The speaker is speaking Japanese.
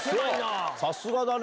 さすがだね。